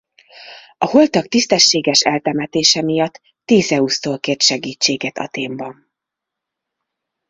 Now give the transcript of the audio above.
A holtak tisztességes eltemetése miatt Thészeusztól kért segítséget Athénban.